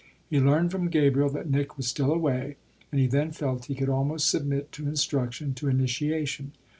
He learned from Gabriel that Nick was still away, and he then felt he could almost submit to instruction, to initiation.